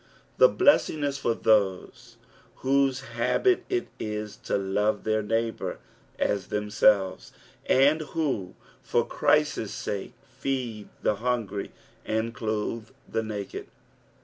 The blessing is for those whose habit it in to love their neighbour as themselves, and who for Christ's sake feed the hunrry and clothe the naked.